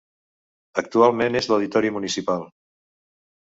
Actualment és l'Auditori Municipal.